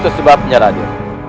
itu sebabnya radio